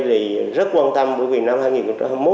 thì rất quan tâm bởi vì năm hai nghìn hai mươi một